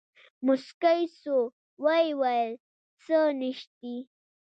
موسکى سو ويې ويل سه نيشتې.